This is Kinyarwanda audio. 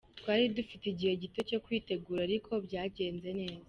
Twari dufite igihe gito cyo kwitegura ariko byagenze neza.